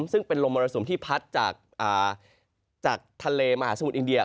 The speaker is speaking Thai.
ซึ่งเป็นลมมรสุมที่พัดจากทะเลมหาสมุทรอินเดีย